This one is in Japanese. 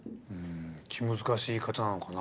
気難しい方なのかな？